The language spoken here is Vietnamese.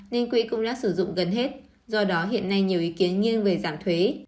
nên quỹ cũng đã sử dụng gần hết do đó hiện nay nhiều ý kiến nghiêng về giảm thuế